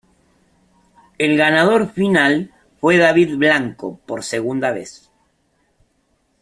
El ganador final fue David Blanco por segunda vez.